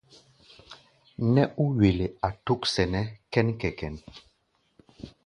Nɛ́ ó wele a tók sɛnɛ kɛ́n-kɛ-kɛ́n.